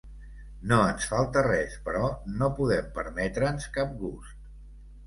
No ens falta res, però no podem permetre'ns cap gust.